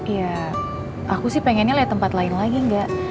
iya aku sih pengennya liat tempat lain lagi enggak